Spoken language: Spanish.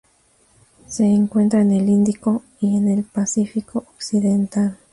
Se encuentra en el Índico y en el Pacífico occidental.